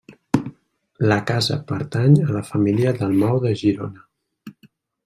La casa pertany a la família Dalmau de Girona.